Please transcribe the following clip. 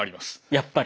やっぱり。